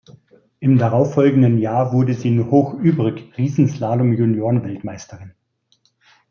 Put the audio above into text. Im darauffolgenden Jahr wurde sie in Hoch-Ybrig Riesenslalom-Juniorenweltmeisterin.